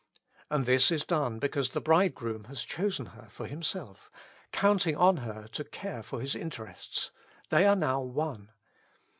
And this is done because the bridegroom has chosen her for himself, counting on her to care for his inte rests; they are now one.